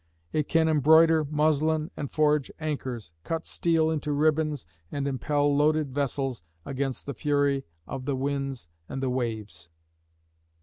It can embroider muslin and forge anchors, cut steel into ribbons, and impel loaded vessels against the fury of the winds and waves.